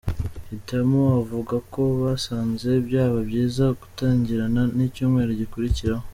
Hitimana avuga ko basanze byaba byiza gutangirana n’icyumweru gikurikiraho.